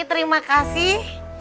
oke terima kasih